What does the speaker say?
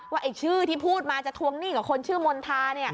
ไอ้ชื่อที่พูดมาจะทวงหนี้กับคนชื่อมณฑา